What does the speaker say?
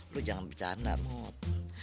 lo jangan bercanda mut